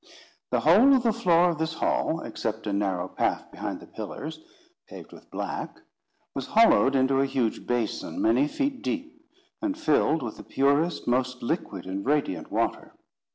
—The whole of the floor of this hall, except a narrow path behind the pillars, paved with black, was hollowed into a huge basin, many feet deep, and filled with the purest, most liquid and radiant water.